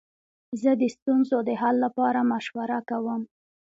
زه د ستونزو د حل لپاره مشوره کوم.